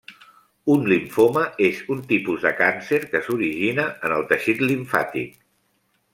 Un limfoma és un tipus de càncer que s'origina en el teixit limfàtic.